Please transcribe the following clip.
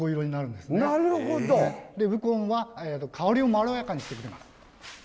でウコンは香りをまろやかにしてくれます。